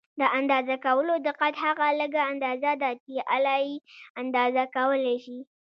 د اندازه کولو دقت هغه لږه اندازه ده چې آله یې اندازه کولای شي.